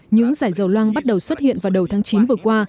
những giải dầu loang bắt đầu xuất hiện vào đầu tháng chín vừa qua